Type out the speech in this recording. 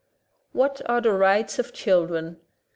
What are the rights of children?